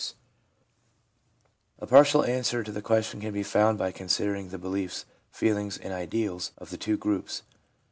368 THE PSYCHOLOGY OF RELIGION A partial answer to the question can be found by considering the beliefs, feelings and ideals of the two groups.